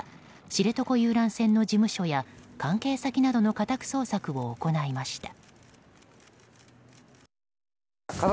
知床遊覧船の事務所や関係先などの家宅捜索を行いました。